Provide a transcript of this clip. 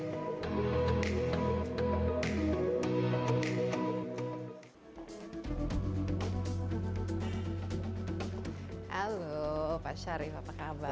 halo pak syarif apa kabar